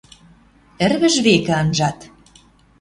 Ӹрвӹж векӹ анжат.